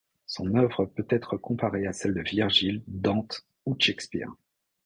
Son œuvre peut être comparé à celles de Virgile, Dante ou Shakespeare.